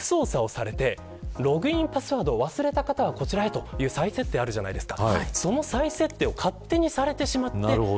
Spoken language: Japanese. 遠隔操作をされてログインパスワードを忘れた方はこちらへ、という再設定があるじゃないですか。